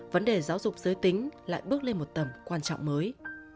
vấn đề giáo dục giới tính lại bước lên một tầm quan trọng mới